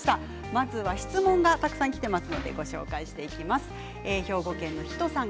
まず質問がたくさんきています。